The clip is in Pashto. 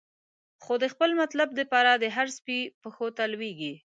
خو د خپل مطلب د پاره، د هر سپی پښو ته لویږی